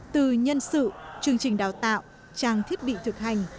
từ nhân sự chương trình đào tạo trang thiết bị thực hành